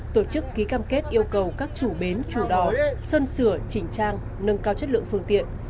tổ chức ký cam kết yêu cầu các chủ bến chủ đó sơn sửa chỉnh trang nâng cao chất lượng phương tiện